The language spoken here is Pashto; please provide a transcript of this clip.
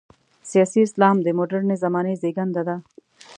سیاسي اسلام د مډرنې زمانې زېږنده ده.